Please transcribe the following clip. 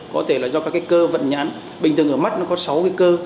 có thể là do các cái cơ vận nhãn bình thường ở mắt nó có sáu cái cơ